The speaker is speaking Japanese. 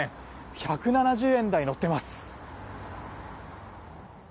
１７０円台に乗っています。